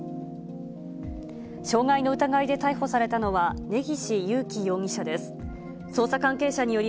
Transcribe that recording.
傷害の疑いで逮捕されたのは、根岸優貴容疑者です。